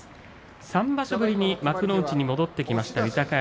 ３場所ぶりに幕内に戻ってきました、豊山。